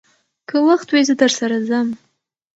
که وخت وي، زه درسره ځم.